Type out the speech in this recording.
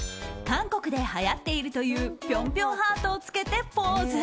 韓国で、はやっているというぴょんぴょんハートをつけてポーズ。